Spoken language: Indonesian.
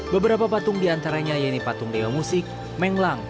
beberapa patung diantaranya yaitu patung dewa musik meng lang